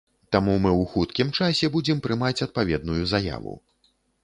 Таму мы ў хуткім часе будзем прымаць адпаведную заяву.